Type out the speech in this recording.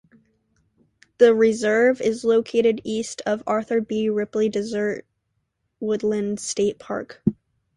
The reserve is located east of Arthur B. Ripley Desert Woodland State Park.